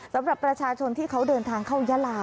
สำหรับประชาชนที่เขาเดินทางเข้ายาลา